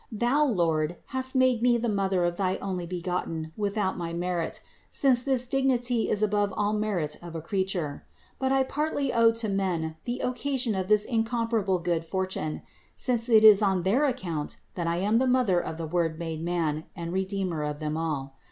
Thou, Lord, hast made me the Mother of thy Onlybegotten without my merit, since this dignity is above all merit of a creature ; but I partly owe to men the occasion of this incomparable good fortune; since it is on their account that I am the Mother of the Word made man and Redeemer of them all.